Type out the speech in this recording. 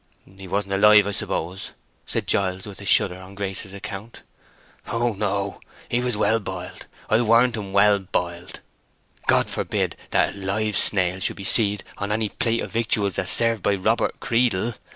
"He wasn't alive, I suppose?" said Giles, with a shudder on Grace's account. "Oh no. He was well boiled. I warrant him well boiled. God forbid that a live snail should be seed on any plate of victuals that's served by Robert Creedle....